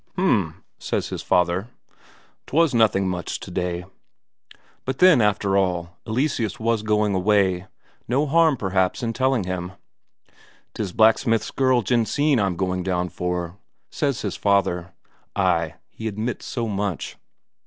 "H'm," says his father. "'Twas nothing much today." But then, after all, Eleseus was going away; no harm, perhaps, in telling him. "'Tis blacksmith's girl, Jensine, I'm going down for," says his father; ay, he admits so much.